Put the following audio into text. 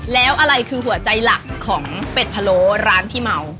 แล้วอะไรคือหัวใจหลักของเป็ดพะโล้ร้านที่เมา